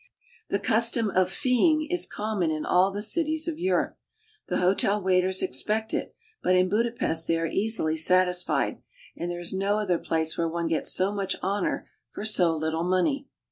The custom of feeing is common in all the cities of Europe. 298 AUSTRIA HUNGARY. The hotel waiters expect it; but in Budapest they are easily satisfied, and there is no other place where one gets so much honor for so little money.